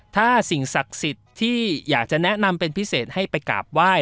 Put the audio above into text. ถ้าสิ่งศักดิ์สิทธิ์ที่อยากจะแนะนำเป็นพิเศษให้ไปกราบไหว้